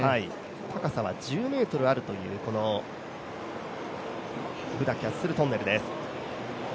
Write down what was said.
高さは１０ｍあるという、このブダ・キャッスル・トンネルです。